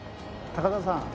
高田さん